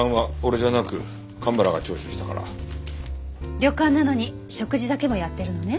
旅館なのに食事だけもやってるのね。